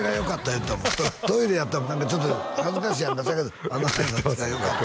言うてたもんトイレやったらちょっと恥ずかしいやんかそやけどあのあいさつがよかった